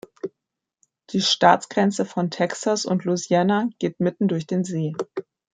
Die Staatsgrenze von Texas und Louisiana geht mitten durch den See.